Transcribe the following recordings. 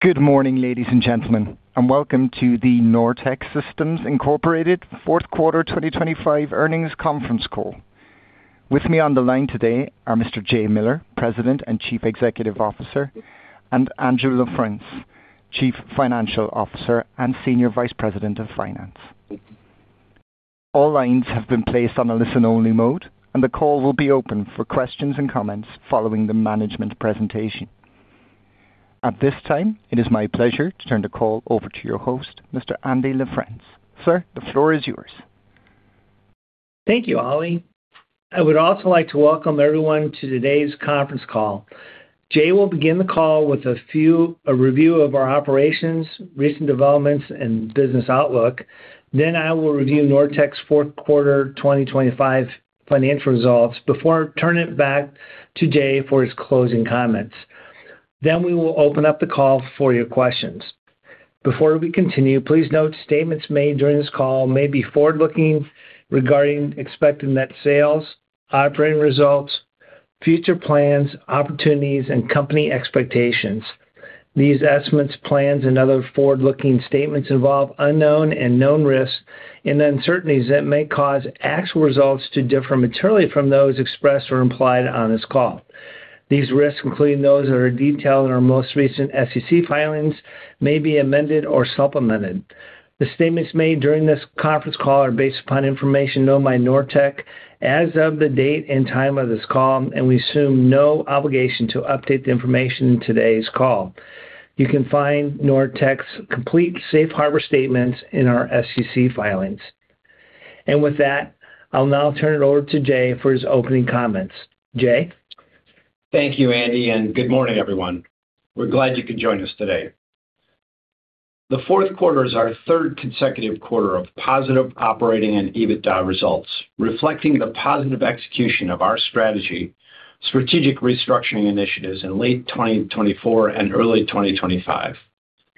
Good morning, ladies and gentlemen, and welcome to the Nortech Systems Incorporated fourth quarter 2025 earnings conference call. With me on the line today are Mr. Jay Miller, President and Chief Executive Officer, and Andrew LaFrence, Chief Financial Officer and Senior Vice President of Finance. All lines have been placed on a listen-only mode, and the call will be open for questions and comments following the management presentation. At this time, it is my pleasure to turn the call over to your host, Mr. Andy LaFrence. Sir, the floor is yours. Thank you, Ollie. I would also like to welcome everyone to today's conference call. Jay will begin the call with a review of our operations, recent developments, and business outlook. I will review Nortech's fourth quarter 2025 financial results before I turn it back to Jay for his closing comments. We will open up the call for your questions. Before we continue, please note statements made during this call may be forward-looking regarding expected net sales, operating results, future plans, opportunities, and company expectations. These estimates, plans, and other forward-looking statements involve unknown and known risks and uncertainties that may cause actual results to differ materially from those expressed or implied on this call. These risks, including those that are detailed in our most recent SEC filings, may be amended or supplemented. The statements made during this conference call are based upon information known by Nortech as of the date and time of this call, and we assume no obligation to update the information in today's call. You can find Nortech's complete safe harbor statements in our SEC filings. With that, I'll now turn it over to Jay for his opening comments. Jay? Thank you, Andy, and good morning, everyone. We're glad you could join us today. The fourth quarter is our third consecutive quarter of positive operating and EBITDA results, reflecting the positive execution of our strategy, strategic restructuring initiatives in late 2024 and early 2025.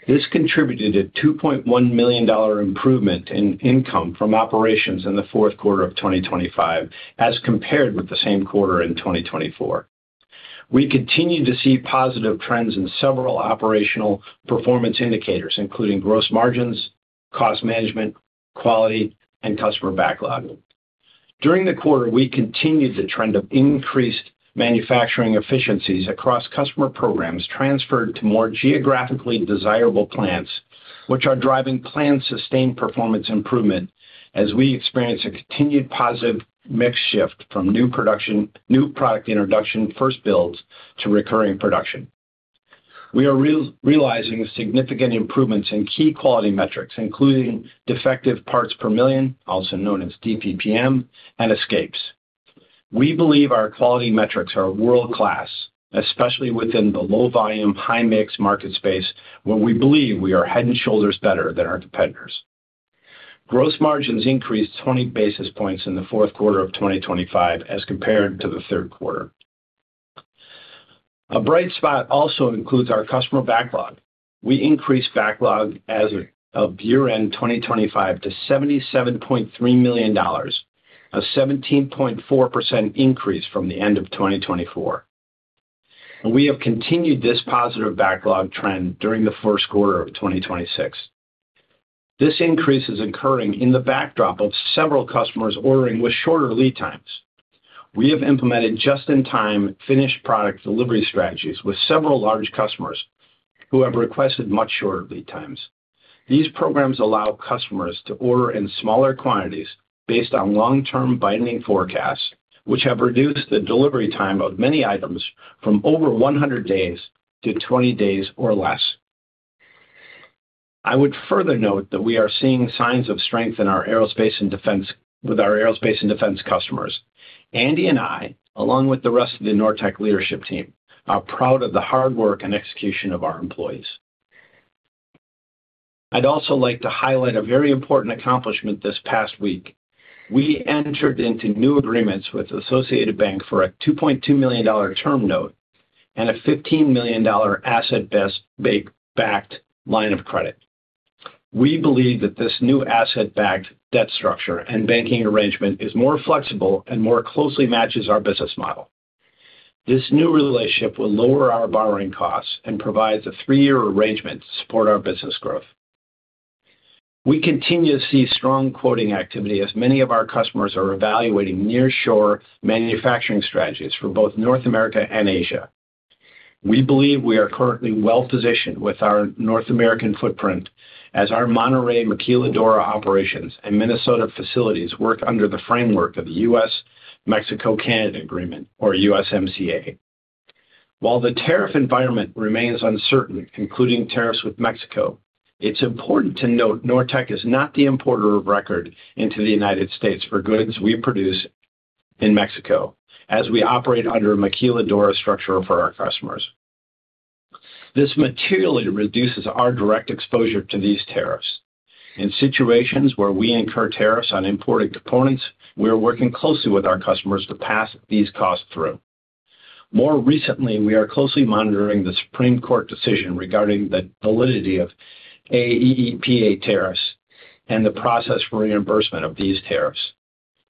This contributed a $2.1 million improvement in income from operations in the fourth quarter of 2025 as compared with the same quarter in 2024. We continue to see positive trends in several operational performance indicators, including gross margins, cost management, quality, and customer backlog. During the quarter, we continued the trend of increased manufacturing efficiencies across customer programs transferred to more geographically desirable plants, which are driving planned sustained performance improvement as we experience a continued positive mix shift from new product introduction first builds to recurring production. We are realizing significant improvements in key quality metrics, including Defective Parts Per Million, also known as DPPM, and escapes. We believe our quality metrics are world-class, especially within the low volume, high-mix market space where we believe we are head and shoulders better than our competitors. Gross margins increased 20 basis points in the fourth quarter of 2025 as compared to the third quarter. A bright spot also includes our customer backlog. We increased backlog as of year-end 2025 to $77.3 million, a 17.4% increase from the end of 2024. We have continued this positive backlog trend during the first quarter of 2026. This increase is occurring in the backdrop of several customers ordering with shorter lead times. We have implemented just-in-time finished product delivery strategies with several large customers who have requested much shorter lead times. These programs allow customers to order in smaller quantities based on long-term binding forecasts, which have reduced the delivery time of many items from over 100 days to 20 days or less. I would further note that we are seeing signs of strength with our Aerospace and Defense customers. Andy and I, along with the rest of the Nortech leadership team, are proud of the hard work and execution of our employees. I'd also like to highlight a very important accomplishment this past week. We entered into new agreements with Associated Bank for a $2.2 million term note and a $15 million asset-backed line of credit. We believe that this new asset-backed debt structure and banking arrangement is more flexible and more closely matches our business model. This new relationship will lower our borrowing costs and provides a three-year arrangement to support our business growth. We continue to see strong quoting activity as many of our customers are evaluating nearshore manufacturing strategies for both North America and Asia. We believe we are currently well-positioned with our North American footprint as our Monterrey Maquiladora operations and Minnesota facilities work under the framework of the United States-Mexico-Canada Agreement or USMCA. While the tariff environment remains uncertain, including tariffs with Mexico, it's important to note Nortech is not the importer of record into the United States for goods we produce in Mexico as we operate under a Maquiladora structure for our customers. This materially reduces our direct exposure to these tariffs. In situations where we incur tariffs on imported components, we are working closely with our customers to pass these costs through. More recently, we are closely monitoring the Supreme Court decision regarding the validity of IEEPA tariffs and the process for reimbursement of these tariffs.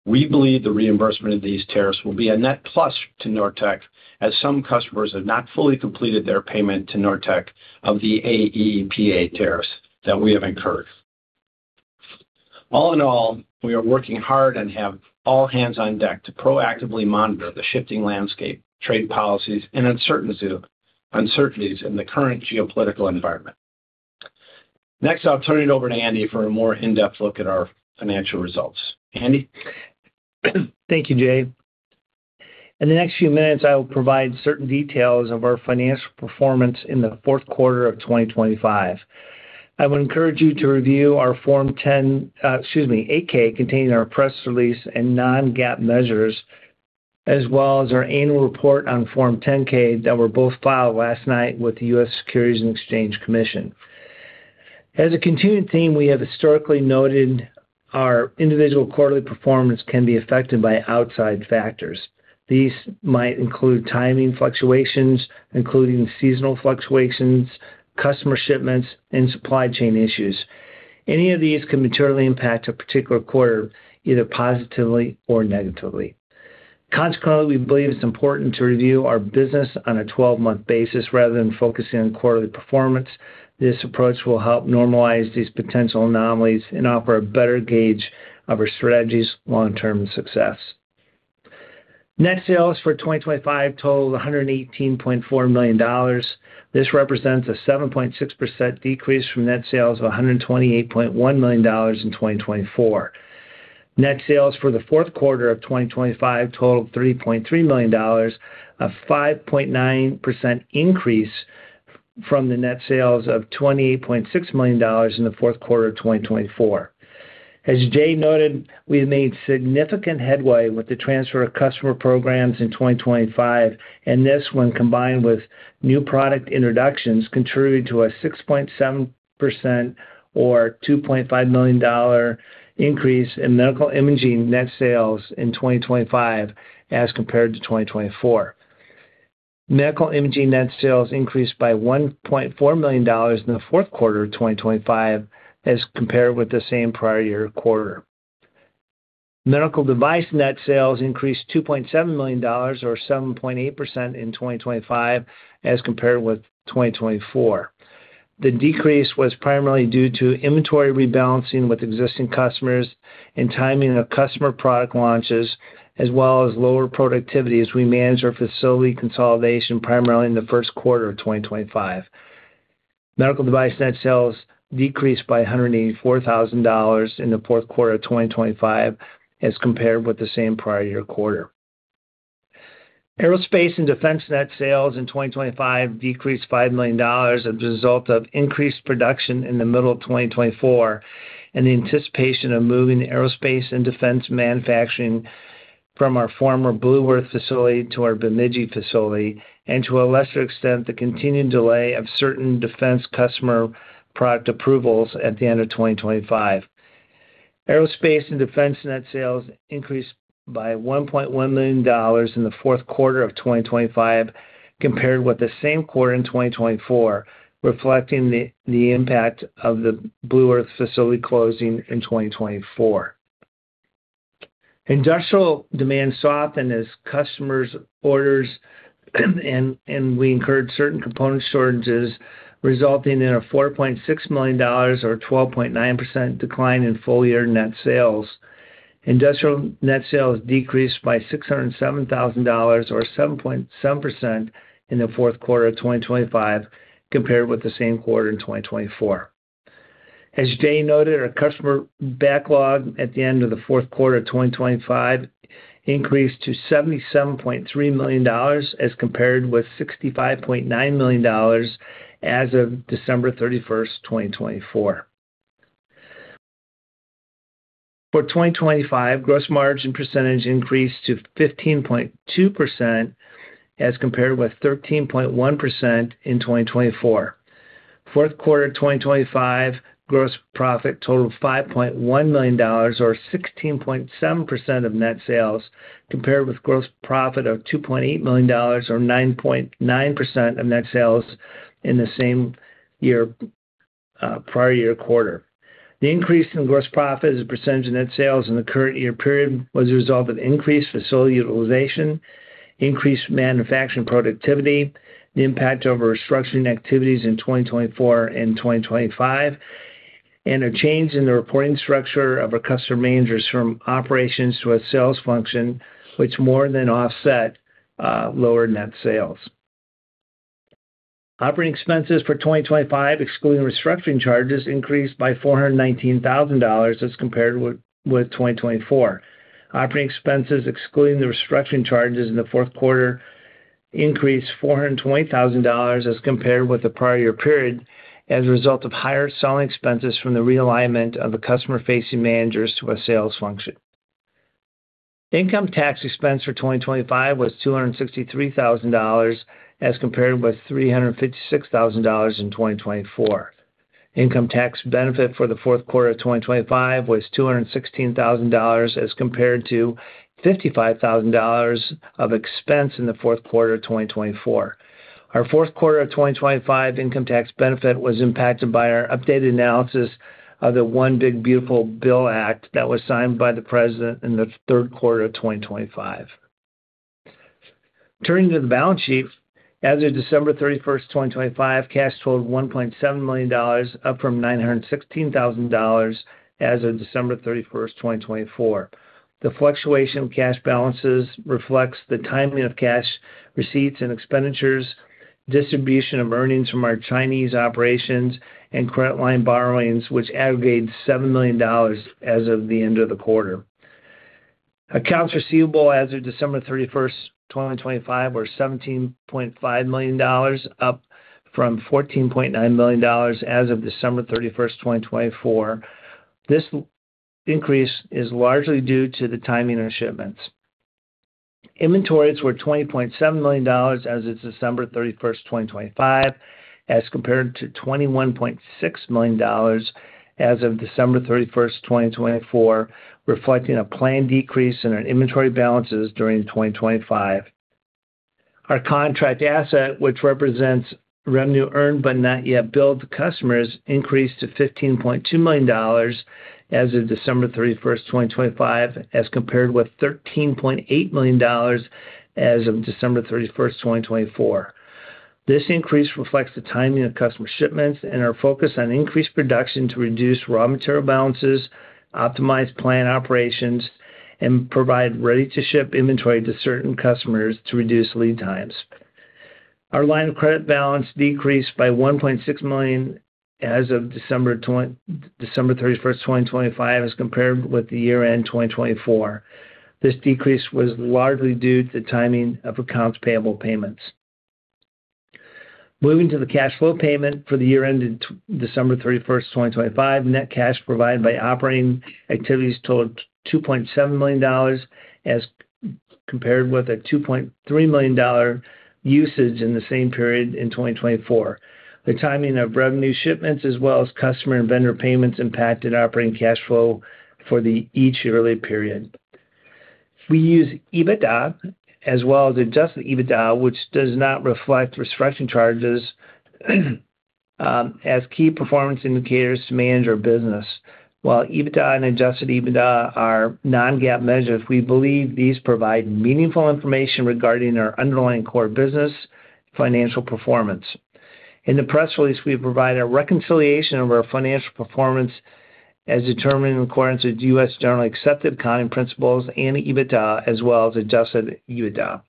We believe the reimbursement of these tariffs will be a net plus to Nortech as some customers have not fully completed their payment to Nortech of the IEEPA tariffs that we have incurred. All in all, we are working hard and have all hands on deck to proactively monitor the shifting landscape, trade policies, and uncertainties in the current geopolitical environment. Next, I'll turn it over to Andy for a more in-depth look at our financial results. Andy? Thank you, Jay. In the next few minutes, I will provide certain details of our financial performance in the fourth quarter of 2025. I would encourage you to review our Form 8-K containing our press release and non-GAAP measures, as well as our annual report on Form 10-K that were both filed last night with the U.S. Securities and Exchange Commission. As a continuing theme, we have historically noted our individual quarterly performance can be affected by outside factors. These might include timing fluctuations, including seasonal fluctuations, customer shipments, and supply chain issues. Any of these can materially impact a particular quarter, either positively or negatively. Consequently, we believe it's important to review our business on a 12-month basis rather than focusing on quarterly performance. This approach will help normalize these potential anomalies and offer a better gauge of our strategy's long-term success. Net sales for 2025 totaled $118.4 million. This represents a 7.6% decrease from net sales of $128.1 million in 2024. Net sales for the fourth quarter of 2025 totaled $3.3 million, a 5.9% increase from the net sales of $28.6 million in the fourth quarter of 2024. As Jay noted, we have made significant headway with the transfer of customer programs in 2025, and this, when combined with new product introductions, contributed to a 6.7% or $2.5 million increase in medical imaging net sales in 2025 as compared to 2024. Medical imaging net sales increased by $1.4 million in the fourth quarter of 2025 as compared with the same prior year quarter. Medical device net sales increased $2.7 million or 7.8% in 2025 as compared with 2024. The decrease was primarily due to inventory rebalancing with existing customers and timing of customer product launches, as well as lower productivity as we manage our facility consolidation primarily in the first quarter of 2025. Medical device net sales decreased by $184,000 in the fourth quarter of 2025 as compared with the same prior year quarter. Aerospace and Defense net sales in 2025 decreased $5 million as a result of increased production in the middle of 2024 and the anticipation of moving Aerospace and Defense manufacturing from our former Blue Earth facility to our Bemidji facility. To a lesser extent, the continued delay of certain defense customer product approvals at the end of 2025. Aerospace and Defense net sales increased by $1.1 million in the fourth quarter of 2025 compared with the same quarter in 2024, reflecting the impact of the Blue Earth facility closing in 2024. Industrial demand softened as customer orders, and we incurred certain component shortages, resulting in a $4.6 million or 12.9% decline in full-year net sales. Industrial net sales decreased by $607,000 or 7.7% in the fourth quarter of 2025 compared with the same quarter in 2024. As Jay noted, our customer backlog at the end of the fourth quarter of 2025 increased to $77.3 million as compared with $65.9 million as of December 31st, 2024. For 2025, gross margin percentage increased to 15.2% as compared with 13.1% in 2024. Fourth quarter 2025 gross profit totaled $5.1 million or 16.7% of net sales, compared with gross profit of $2.8 million or 9.9% of net sales in the same year, prior year quarter. The increase in gross profit as a percentage of net sales in the current year period was a result of increased facility utilization, increased manufacturing productivity, the impact of our restructuring activities in 2024 and 2025, and a change in the reporting structure of our customer managers from operations to a sales function which more than offset lower net sales. Operating expenses for 2025, excluding restructuring charges, increased by $419,000 as compared with 2024. Operating expenses, excluding the restructuring charges in the fourth quarter, increased $420,000 as compared with the prior year period as a result of higher selling expenses from the realignment of the customer-facing managers to a sales function. Income tax expense for 2025 was $263,000 as compared with $356,000 in 2024. Income tax benefit for the fourth quarter of 2025 was $216,000 as compared to $55,000 of expense in the fourth quarter of 2024. Our fourth quarter of 2025 income tax benefit was impacted by our updated analysis of the One Big Beautiful Bill Act that was signed by the President in the third quarter of 2025. Turning to the balance sheet. As of December 31st, 2025, cash totaled $1.7 million, up from $916,000 as of December 31st, 2024. The fluctuation of cash balances reflects the timing of cash receipts and expenditures, distribution of earnings from our Chinese operations, and credit line borrowings, which aggregate $7 million as of the end of the quarter. Accounts receivable as of December 31st, 2025, were $17.5 million, up from $14.9 million as of December 31st, 2024. This increase is largely due to the timing of shipments. Inventories were $20.7 million as of December 31st, 2025, as compared to $21.6 million as of December 31st, 2024, reflecting a planned decrease in our inventory balances during 2025. Our contract asset, which represents revenue earned but not yet billed to customers, increased to $15.2 million as of December 31st, 2025, as compared with $13.8 million as of December 31st, 2024. This increase reflects the timing of customer shipments and our focus on increased production to reduce raw material balances, optimize plant operations, and provide ready-to-ship inventory to certain customers to reduce lead times. Our line of credit balance decreased by $1.6 million as of December 31st, 2025, as compared with the year-end 2024. This decrease was largely due to the timing of accounts payable payments. Moving to the cash flow statement for the year ended December 31st, 2025. Net cash provided by operating activities totaled $2.7 million, as compared with a $2.3 million usage in the same period in 2024. The timing of revenue shipments, as well as customer and vendor payments, impacted operating cash flow for each yearly period. We use EBITDA as well as adjusted EBITDA, which does not reflect restructuring charges, as key performance indicators to manage our business. While EBITDA and adjusted EBITDA are non-GAAP measures, we believe these provide meaningful information regarding our underlying core business financial performance. In the press release, we provide a reconciliation of our financial performance as determined in accordance with U.S. generally accepted accounting principles and EBITDA as well as adjusted EBITDA.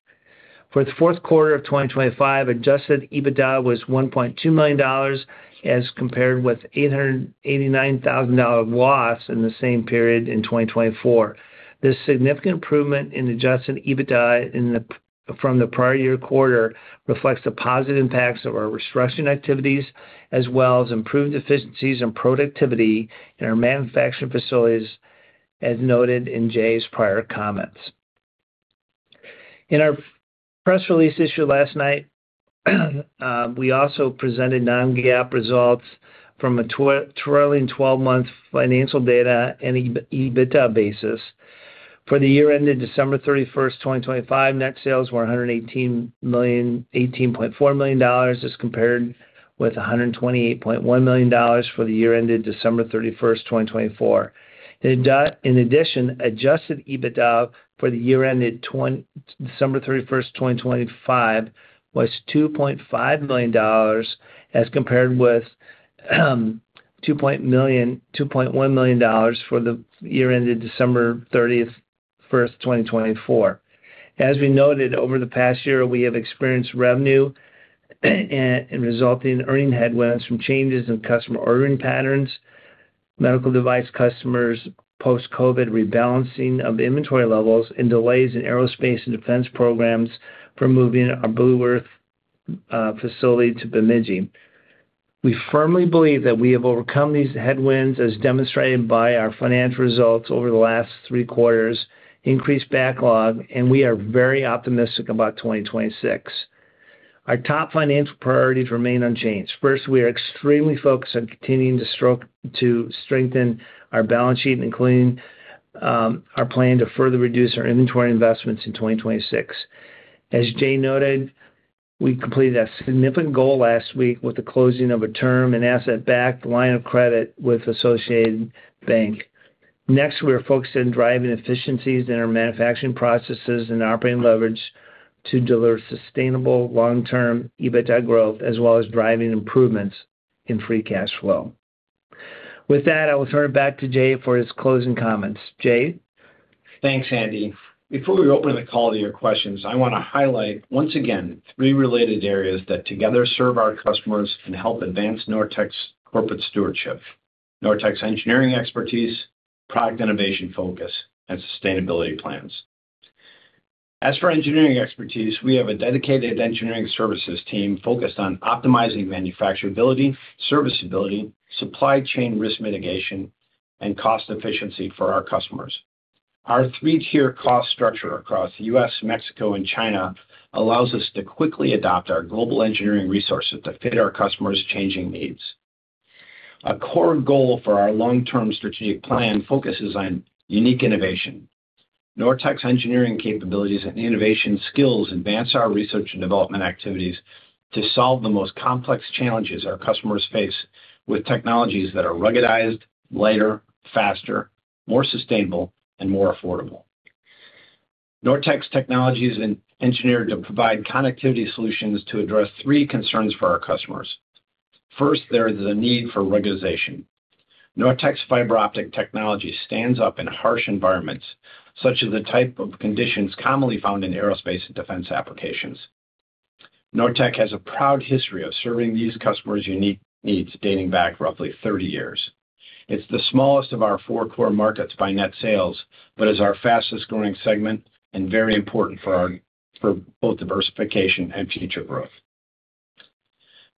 For the fourth quarter of 2025, adjusted EBITDA was $1.2 million, as compared with $889 thousand dollar loss in the same period in 2024. This significant improvement in adjusted EBITDA from the prior year quarter reflects the positive impacts of our restructuring activities as well as improved efficiencies and productivity in our manufacturing facilities, as noted in Jay's prior comments. In our press release issued last night, we also presented non-GAAP results from a trailing twelve-month financial data and EBITDA basis. For the year ended December 31st, 2025, net sales were $118.4 million, as compared with $128.1 million for the year ended December 31st, 2024. In addition, adjusted EBITDA for the year ended December 31st, 2025, was $2.5 million, as compared with $2.1 million for the year ended December 31st, 2024. As we noted, over the past year, we have experienced revenue and resulting earnings headwinds from changes in customer ordering patterns, medical device customers' post-COVID rebalancing of inventory levels, and delays in Aerospace and Defense programs for moving our Blue Earth facility to Bemidji. We firmly believe that we have overcome these headwinds, as demonstrated by our financial results over the last three quarters, increased backlog, and we are very optimistic about 2026. Our top financial priorities remain unchanged. First, we are extremely focused on continuing to strengthen our balance sheet, including our plan to further reduce our inventory investments in 2026. As Jay noted, we completed a significant goal last week with the closing of a term and asset-backed line of credit with Associated Bank. Next, we are focused on driving efficiencies in our manufacturing processes and operating leverage to deliver sustainable long-term EBITDA growth, as well as driving improvements in free cash flow. With that, I will turn it back to Jay for his closing comments. Jay? Thanks, Andy. Before we open the call to your questions, I want to highlight once again three related areas that together serve our customers and help advance Nortech's corporate stewardship: Nortech's engineering expertise, product innovation focus, and sustainability plans. As for engineering expertise, we have a dedicated engineering services team focused on optimizing manufacturability, serviceability, supply chain risk mitigation, and cost efficiency for our customers. Our three-tier cost structure across the U.S., Mexico, and China allows us to quickly adapt our global engineering resources to fit our customers' changing needs. A core goal for our long-term strategic plan focuses on unique innovation. Nortech's engineering capabilities and innovation skills advance our research and development activities to solve the most complex challenges our customers face with technologies that are ruggedized, lighter, faster, more sustainable and more affordable. Nortech's technology is engineered to provide connectivity solutions to address three concerns for our customers. First, there is a need for ruggedization. Nortech's fiber optic technology stands up in harsh environments, such as the type of conditions commonly found in Aerospace and Defense applications. Nortech has a proud history of serving these customers' unique needs dating back roughly 30 years. It's the smallest of our four core markets by net sales, but is our fastest-growing segment and very important for both diversification and future growth.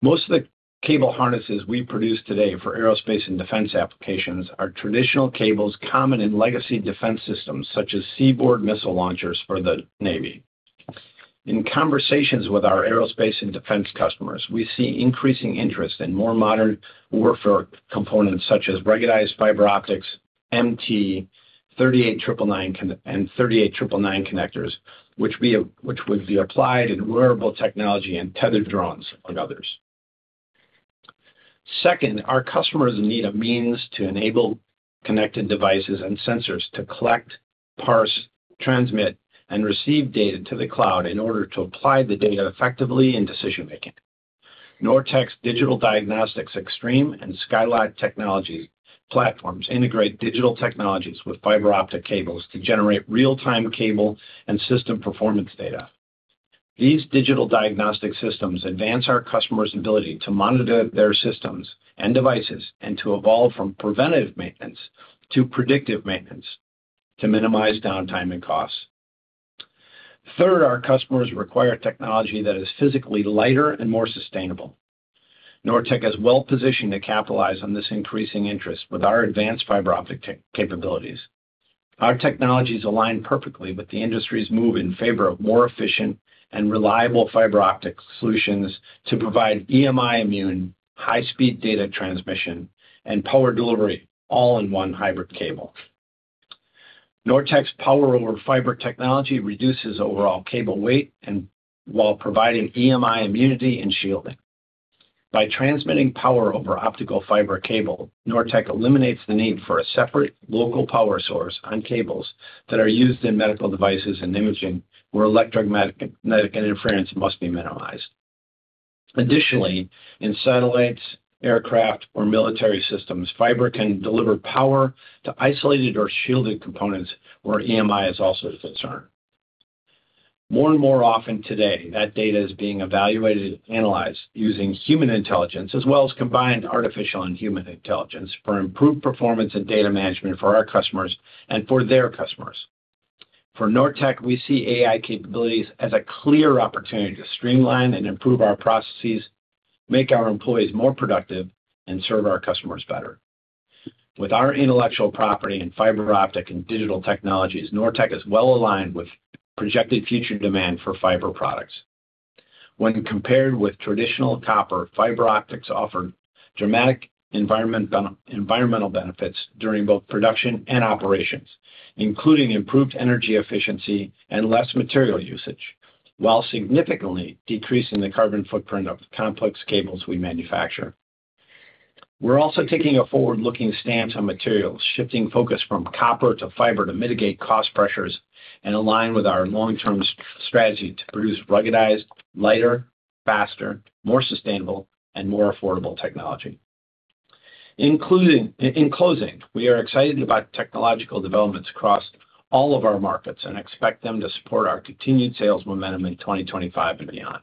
Most of the cable harnesses we produce today for Aerospace and Defense applications are traditional cables common in legacy defense systems, such as shipboard missile launchers for the Navy. In conversations with our Aerospace and Defense customers, we see increasing interest in more modern warfare components such as ruggedized fiber optics, MT, and MIL-DTL-38999 connectors, which would be applied in wearable technology and tethered drones, among others. Second, our customers need a means to enable connected devices and sensors to collect, parse, transmit, and receive data to the cloud in order to apply the data effectively in decision-making. Nortech's Active Optical Xtreme and Skylot technology platforms integrate digital technologies with fiber optic cables to generate real-time cable and system performance data. These digital diagnostic systems advance our customers' ability to monitor their systems and devices, and to evolve from preventative maintenance to predictive maintenance to minimize downtime and costs. Third, our customers require technology that is physically lighter and more sustainable. Nortech is well-positioned to capitalize on this increasing interest with our advanced fiber optic capabilities. Our technologies align perfectly with the industry's move in favor of more efficient and reliable fiber optic solutions to provide EMI immune, high-speed data transmission, and power delivery, all in one hybrid cable. Nortech's Power over Fiber technology reduces overall cable weight and, while providing EMI immunity and shielding. By transmitting power over optical fiber cable, Nortech eliminates the need for a separate local power source on cables that are used in medical devices and imaging, where electromagnetic interference must be minimized. Additionally, in satellites, aircraft, or military systems, fiber can deliver power to isolated or shielded components where EMI is also a concern. More and more often today, that data is being evaluated and analyzed using human intelligence as well as combined artificial and human intelligence for improved performance and data management for our customers and for their customers. For Nortech, we see AI capabilities as a clear opportunity to streamline and improve our processes, make our employees more productive, and serve our customers better. With our intellectual property in fiber optic and digital technologies, Nortech is well-aligned with projected future demand for fiber products. When compared with traditional copper, fiber optics offer dramatic environmental benefits during both production and operations, including improved energy efficiency and less material usage, while significantly decreasing the carbon footprint of the complex cables we manufacture. We're also taking a forward-looking stance on materials, shifting focus from copper to fiber to mitigate cost pressures and align with our long-term strategy to produce ruggedized, lighter, faster, more sustainable, and more affordable technology. In closing, we are excited about technological developments across all of our markets and expect them to support our continued sales momentum in 2025 and beyond,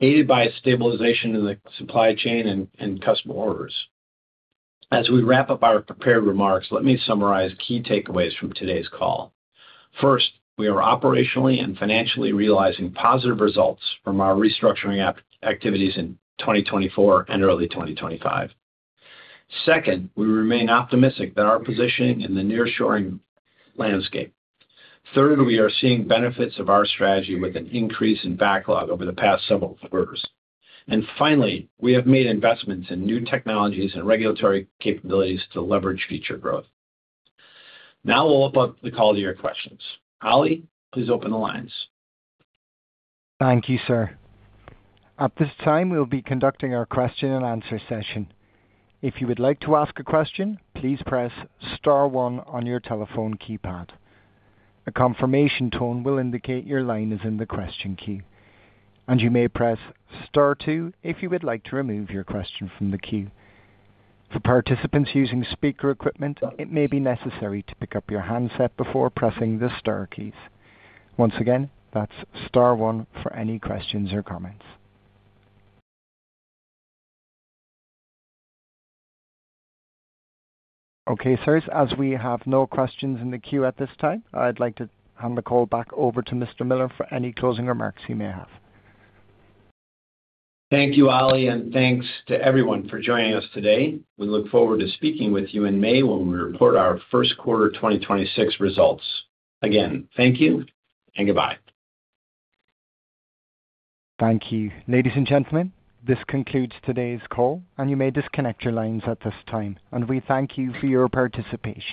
aided by a stabilization in the supply chain and customer orders. As we wrap up our prepared remarks, let me summarize key takeaways from today's call. First, we are operationally and financially realizing positive results from our restructuring activities in 2024 and early 2025. Second, we remain optimistic about our positioning in the nearshoring landscape. Third, we are seeing benefits of our strategy with an increase in backlog over the past several quarters. Finally, we have made investments in new technologies and regulatory capabilities to leverage future growth. Now I'll open up the call to your questions. Ollie, please open the lines. Thank you, sir. At this time, we'll be conducting our question and answer session. If you would like to ask a question, please press star one on your telephone keypad. A confirmation tone will indicate your line is in the question queue, and you may press star two if you would like to remove your question from the queue. For participants using speaker equipment, it may be necessary to pick up your handset before pressing the star keys. Once again, that's star one for any questions or comments. Okay, sirs. As we have no questions in the queue at this time, I'd like to hand the call back over to Mr. Miller for any closing remarks he may have. Thank you, Ollie, and thanks to everyone for joining us today. We look forward to speaking with you in May when we report our first quarter 2026 results. Again, thank you and goodbye. Thank you. Ladies and gentlemen, this concludes today's call, and you may disconnect your lines at this time. We thank you for your participation.